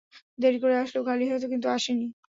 দেরি করে আসলেও খালি হাতে কিন্তু আসিনি!